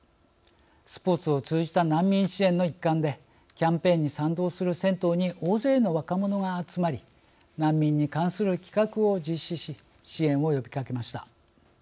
スポーツを通じた難民支援の一環でキャンペーンに賛同する銭湯に大勢の若者が集まり難民に関する企画を実施し支援を呼びかけました。